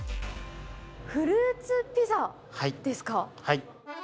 フルーツピザですか？